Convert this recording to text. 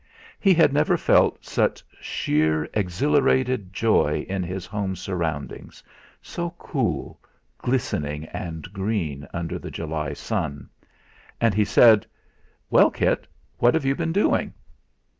He had never felt such sheer exhilarated joy in his home surroundings, so cool, glistening and green under the July sun; and he said: "Well, Kit, what have you all been doing?"